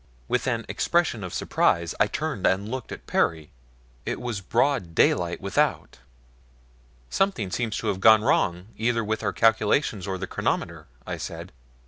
With an expression of surprise I turned and looked at Perry it was broad daylight without! "Something seems to have gone wrong either with our calculations or the chronometer," I said.